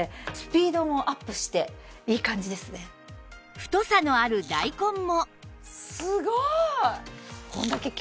太さのある大根も